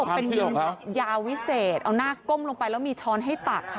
เป็นวงยาววิเศษเอาหน้าก้มลงไปแล้วมีช้อนให้ตักค่ะ